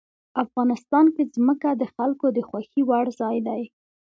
افغانستان کې ځمکه د خلکو د خوښې وړ ځای دی.